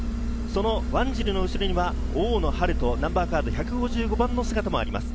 そのワンジルの後ろには大野陽人、ナンバーカード１５５番の姿もあります。